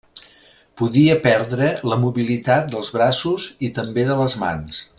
Podia perdre la mobilitat dels braços i també de les mans.